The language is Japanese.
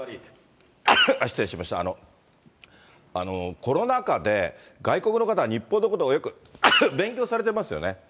失礼しました、コロナ禍で外国の方、日本のことをよく勉強されてますよね。